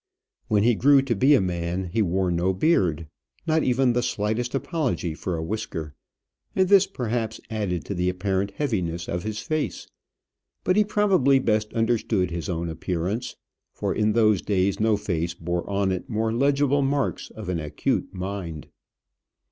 When he grew to be a man, he wore no beard, not even the slightest apology for a whisker, and this perhaps added to the apparent heaviness of his face; but he probably best understood his own appearance, for in those days no face bore on it more legible marks of an acute mind.